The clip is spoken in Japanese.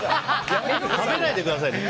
食べないでくださいね。